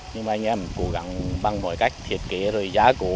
nhưng mà anh em cố gắng bằng mọi cách thiết kế rồi giá cổ